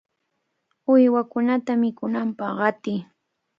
¡Uywakunata mikunanpaq qatiy!